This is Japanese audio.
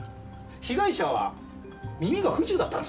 被害者は耳が不自由だったんですか？